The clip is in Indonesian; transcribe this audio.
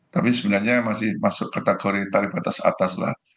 tapi sebenarnya masih masuk kategori tarif batas atas lah